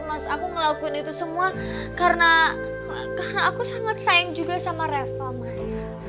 mas aku ngelakuin itu semua karena aku sangat sayang juga sama reva mas